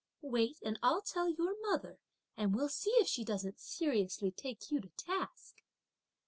wait and I'll tell your mother and we'll see if she doesn't seriously take you to task."